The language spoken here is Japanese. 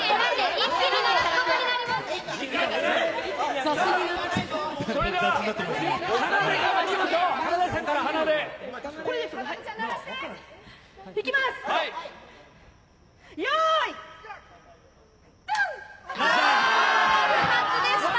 一気に鳴らすことになりました。